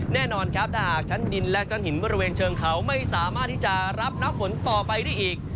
แน่นอนครับถ้าหากชั้นดินและชั้นหินบริเวณเชิงเขาไม่สามารถที่จะรับน้ำฝนต่อไปได้อีก